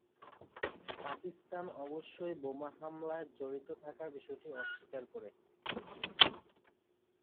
পাকিস্তান অবশ্য বোমা হামলায় জড়িত থাকার বিষয়টি অস্বীকার করে।